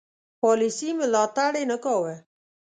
پالیسي ملاتړ یې نه کاوه.